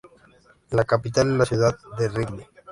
La capital es la ciudad de Rivne.